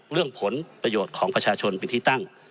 เรื่องผลประโยชน์ของประชาชนเป็นที่ตั้ง